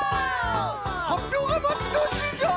はっぴょうがまちどおしいぞい！